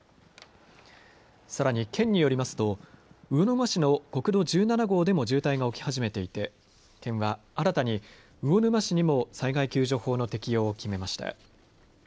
さらに県によりますと魚沼市の国道１７号でも渋滞が起き始めていて県は新たに魚沼市にも災害救助法の適用を決めました。